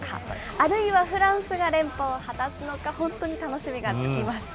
あるいはフランスが連覇を果たすのか、本当に楽しみがつきません。